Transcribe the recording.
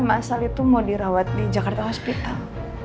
mas ali tuh mau dirawat di jakarta hospital